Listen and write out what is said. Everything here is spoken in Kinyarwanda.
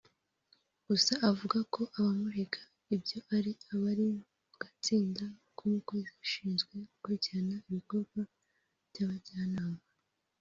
Gusa avuga ko abamurega ibyo ari abari mu gatsiko k’umukozi ushinzwe gukurikirana ibikorwa by’abajyanama